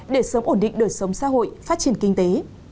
để sớm ổn định đời sống xã hội phát triển kinh tế